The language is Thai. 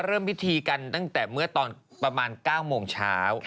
เริ่มพิธีกันตั้งแต่เมื่อตอนประมาณ๙โมงเช้า